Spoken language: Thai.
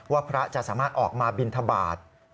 พระจะสามารถออกมาบินทบาท